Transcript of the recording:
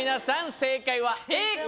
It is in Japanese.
正解はＡか？